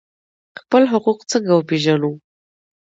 خپل حقوق څنګه وپیژنو؟